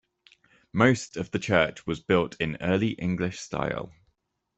Most of the church was built in Early English style.